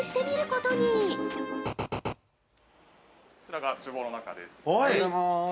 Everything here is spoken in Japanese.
◆こちらが厨房の中です。